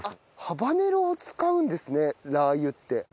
ハバネロを使うんですねラー油って。